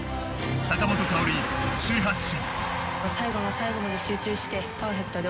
坂本花織、首位発進。